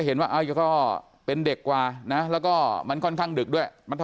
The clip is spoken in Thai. เห็นว่าก็เป็นเด็กกว่านะแล้วก็มันค่อนข้างดึกด้วย